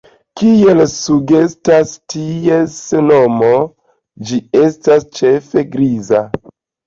Kiel sugestas ties nomo, ĝi estas ĉefe griza.